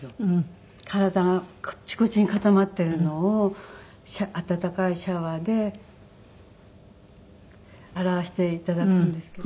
体がカッチコチに固まっているのを温かいシャワーで洗わせて頂くんですけど。